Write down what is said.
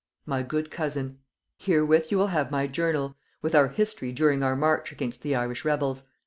"My good cousin, "Herewith you will have my journal, with our history during our march against the Irish rebels.